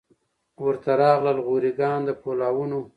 ورته راغلل غوري ګان د پولاوونو